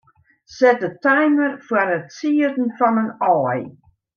Set de timer foar it sieden fan in aai.